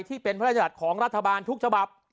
ที่เป็นพระราชมัญญัติของรัฐบาลทุกฉบับ